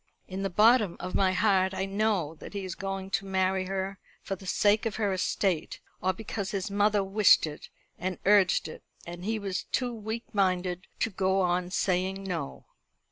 "In the bottom of my heart I know that he is going to marry her for the sake of her estate, or because his mother wished it and urged it, and he was too weak minded to go on saying No.